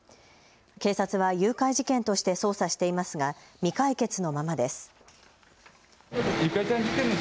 警察は誘拐事件として捜査していますが未解決のままです。